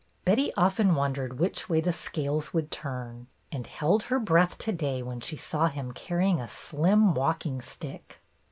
Betty often wondered which way the scales would turn, and held her breath to day when she saw him carrying a slim walking stick.